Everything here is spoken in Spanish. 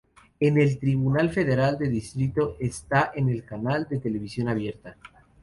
En el Tribunal Federal de Distrito está en el canal de televisión abierta.